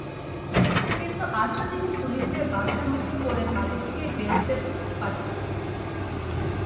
কিন্তু আজও তিনি পুলিশের বাধার মুখে পড়ে বাড়ি থেকে বের হতে পারেননি।